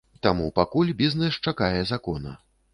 Таму пакуль бізнэс чакае закона.